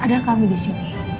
ada kami di sini